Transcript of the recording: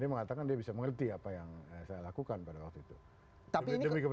dia mengatakan dia bisa mengerti apa yang saya lakukan pada waktu itu